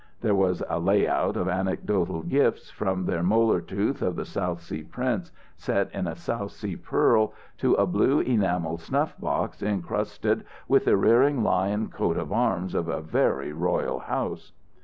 There was a layout of anecdotal gifts, from the molar tooth of the South Sea prince set in a South Sea pearl to a blue enamelled snuff box encrusted with the rearing lion coat of arms of a very royal house.